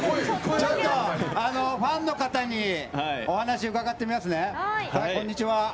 ファンの方にお話を伺ってみますね。